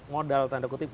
modal tanda kutip